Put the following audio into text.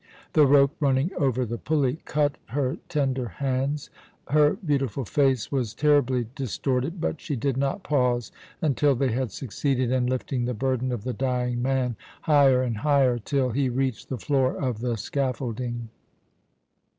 The rope running over the pulley cut her tender hands; her beautiful face was terribly distorted; but she did not pause until they had succeeded in lifting the burden of the dying man higher and higher till he reached the floor of the scaffolding.